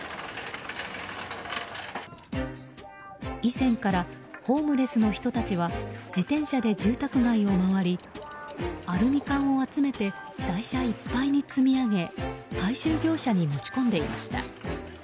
以前からホームレスの人たちは自転車で住宅街を回りアルミ缶を集めて台車いっぱいに積み上げ回収業者に持ち込んでいました。